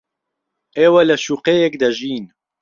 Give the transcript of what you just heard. ئێوە لە شوقەیەک دەژین.